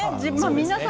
皆さん